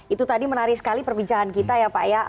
itu tadi menarik sekali perbincangan kita ya pak ya